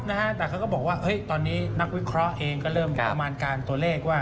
นะฮะแต่เขาก็บอกว่าเฮ้ยตอนนี้นักวิเคราะห์เองก็เริ่มประมาณการตัวเลขว่า